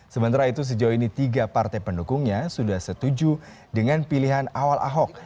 sementara itu sejauh ini tiga partai pendukungnya sudah setuju dengan pilihan awal ahok